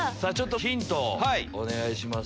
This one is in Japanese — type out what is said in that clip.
ヒントをお願いします。